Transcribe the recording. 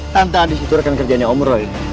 tante andis itu rekan kerjanya om roy